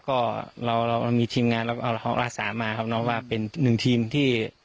ก็เราเรามีทีมงานเราอาสามาครับน้องว่าเป็นหนึ่งทีมที่